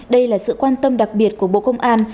đây là sự quan tâm đặc biệt của bộ công an